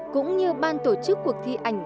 cũng như ban tổ chức cuộc thi ảnh